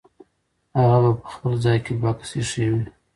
هغه به په خپل ځای کې بکس ایښی وي.